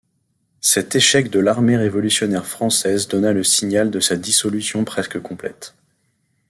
Cet échec de l’armée révolutionnaire française donna le signal de sa dissolution presque complète.